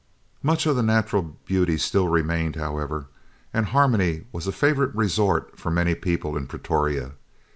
Much of the natural beauty still remained, however, and Harmony was a favourite resort for many people in Pretoria.